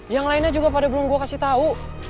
yang lainnya juga pada belum gue kasih tau